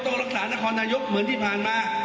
รักษานครนายกเหมือนที่ผ่านมา